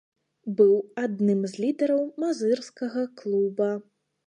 Быў адным з лідараў мазырскага клуба.